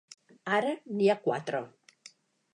Ara n'hi ha quatre.